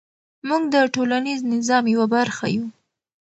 موږ د ټولنیز نظام یوه برخه یو.